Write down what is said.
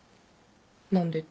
何でって？